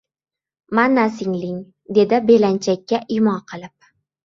— Mana singling, — dedi belanchakka imo qilib.